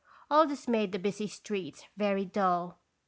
All this made the busy streets very dull.